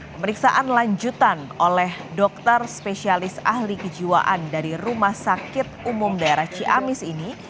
pemeriksaan lanjutan oleh dokter spesialis ahli kejiwaan dari rumah sakit umum daerah ciamis ini